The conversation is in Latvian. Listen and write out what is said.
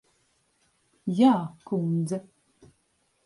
Jā, kundze.